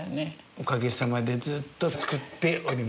おかげさまでずっと作っております。